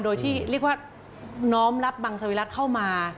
โดยที่เรียกว่าน้อมรับบังสวิรัติเข้ามา